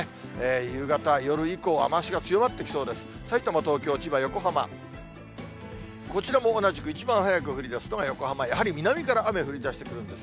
夕方、夜以降、雨足が強まってきそうです。